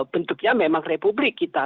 bentuknya memang republik kita